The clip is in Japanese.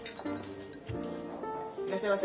いらっしゃいませ。